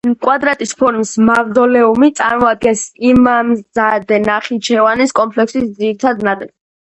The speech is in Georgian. კვადრატის ფორმის მავზოლეუმი წარმოადგენს იმამზადე ნახიჩევანის კომპლექსის ძირითად ნაწილს.